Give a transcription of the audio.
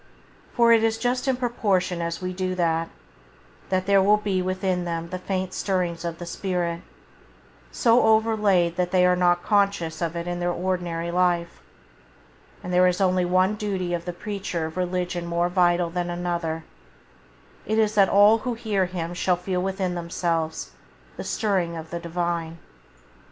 For it is just in proportion as we do that, that there will be within them the faint stirrings of the spirit, so overlaid that they are not conscious of it in their ordinary life; and if there is one duty of the preacher of religion more vital than another, it is that all who hear him shall feel within themselves the stirring of the Divine.